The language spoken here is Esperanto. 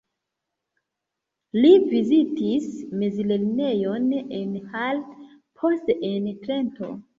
Li vizitis mezlernejon en Hall, poste en Trento.